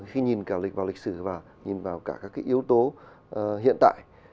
khi nhìn cả lịch vào lịch sử và nhìn vào cả các yếu tố hiện tại